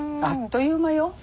あっという間よ。